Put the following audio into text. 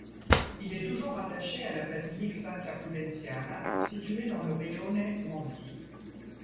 Il est toujours rattaché à la basilique Santa Pudenziana située dans le rione Monti.